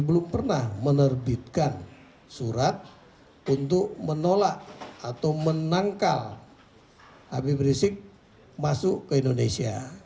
belum pernah menerbitkan surat untuk menolak atau menangkal habib rizik masuk ke indonesia